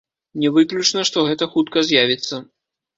Не выключна, што гэта хутка з'явіцца.